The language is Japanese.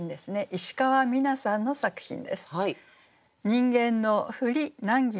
石川美南さんの作品です。